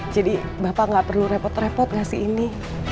jadi bapak gak perlu repot repot gak sih ini